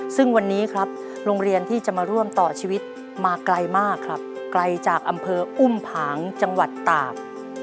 ซึ่งวันนี้ครับโรงเรียนที่จะมาร่วมต่อชีวิตมาไกลมากครับไกลจากอำเภออุ้มผางจังหวัดตาก